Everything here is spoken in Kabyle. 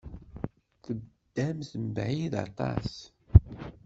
Teddamt mebɛid aṭas.